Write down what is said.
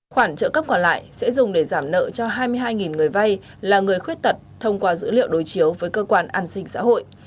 khoản trợ cấp còn lại sẽ dùng để giảm nợ cho hai mươi hai người vay là người khuyết tật thông qua dữ liệu đối chiếu với cơ quan an sinh xã hội